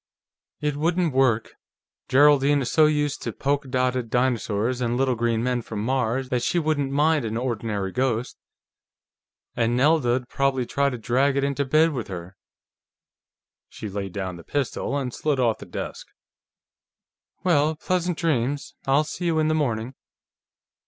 "It wouldn't work. Geraldine is so used to polka dotted dinosaurs and Little Green Men from Mars that she wouldn't mind an ordinary ghost, and Nelda'd probably try to drag it into bed with her." She laid down the pistol and slid off the desk. "Well, pleasant dreams; I'll see you in the morning."